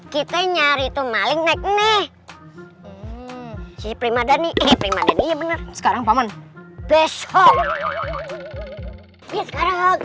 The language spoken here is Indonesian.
kita nyari itu maling naik nih si prima dan iya bener sekarang paman besok